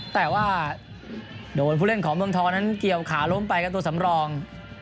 แต่ว่าโดนผู้เล่นของเมืองทองนั้นเกี่ยวขาล้มไปครับตัวสำรอง